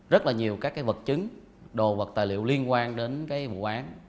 rất là nhiều các vật chứng đồ vật tài liệu liên quan đến cái vụ án